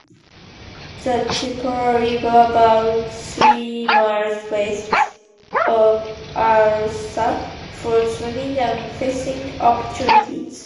The Chipola River, about three miles west of Altha, offers swimming and fishing opportunities.